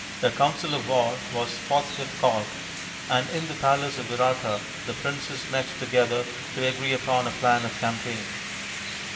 A council of war was forthwith called, and in the palace of Virata the princes met together to agree upon a plan of campaign.